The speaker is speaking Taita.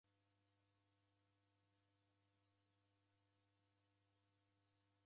Oinjwa ni w'omi ukaw'ikwa nambai.